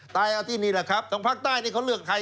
เอาที่นี่แหละครับทางภาคใต้นี่เขาเลือกไทย